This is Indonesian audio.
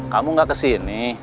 kamu gak kesini